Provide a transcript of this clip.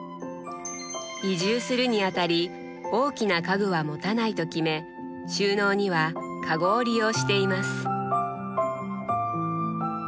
移住するにあたり大きな家具は持たないと決め収納にはかごを利用しています。